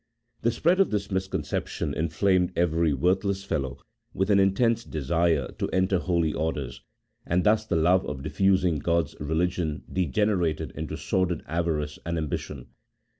The spread of this misconception inflamed every worthless THE PEEFACE. 7 fellow with an intense desire to enter holy orders, and thus the love of diffusing God's religion degenerated into sordid avarice and ambition.